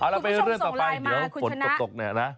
เราไปเรื่องต่อไปเดี๋ยวฝนตกเนี่ยนะ